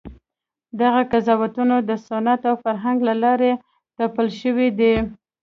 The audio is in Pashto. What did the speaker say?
دغه قضاوتونه د سنت او فرهنګ له لارې تپل شوي دي.